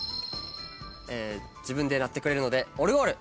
自分で鳴ってくれるので。